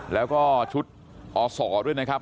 แล้วก็ชุดอศด้วยนะครับ